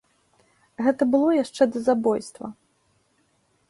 Гэта было яшчэ да забойства.